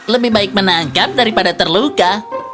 lebih baik menangkap daripada terluka